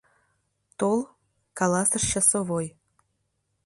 — Тол, — каласыш часовой.